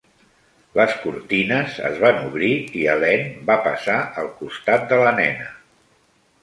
Les cortines es van obrir i Helene va passar al costat de la nena.